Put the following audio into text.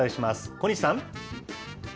小西さん。